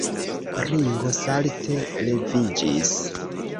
Ringo salte leviĝis.